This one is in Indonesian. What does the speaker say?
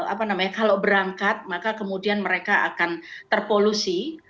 apa namanya kalau berangkat maka kemudian mereka akan terpolusi